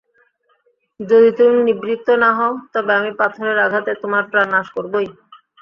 যদি তুমি নিবৃত্ত না হও, তবে আমি পাথরের আঘাতে তোমার প্রাণ নাশ করবোই।